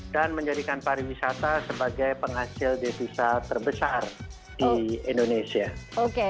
dan menjadikan pariwisata sebagai penghasil desisa terbesar di indonesia